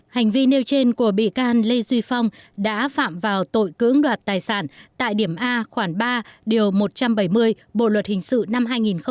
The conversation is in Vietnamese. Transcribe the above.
hành vi nêu trên của bị can lê duy phong đã phạm vào tội cưỡng đoạt tài sản tại điểm a khoảng ba điều một trăm bảy mươi bộ luật hình sự năm hai nghìn một mươi năm